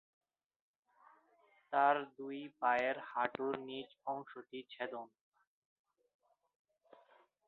তাঁর দুই পায়ের হাঁটুর নীচ অংশটি ছেদন।